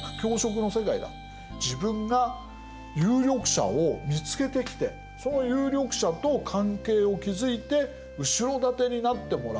自分が有力者を見つけてきてその有力者と関係を築いて後ろ盾になってもらう。